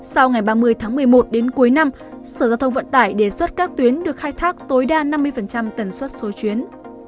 sau ngày ba mươi tháng một mươi một đến cuối năm sở giao thông vận tải đề xuất các tuyến được khai thác tối đa năm mươi tần suất số chuyến